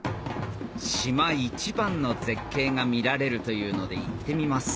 島一番の絶景が見られるというので行ってみます